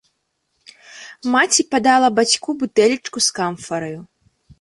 Маці падала бацьку бутэлечку з камфараю.